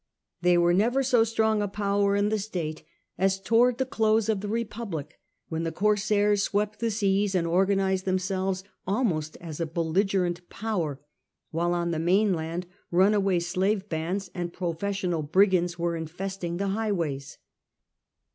They were never so strong a power in the state as towards the close of the Republic, when the corsairs swept the seas and organized themselves almost as a belligerent power, while on the mainland runaway slave bands and professional brigands were infesting the highways.